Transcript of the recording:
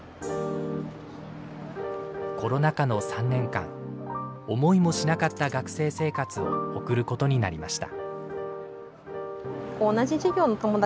コロナ禍の３年間思いもしなかった学生生活を送ることになりました。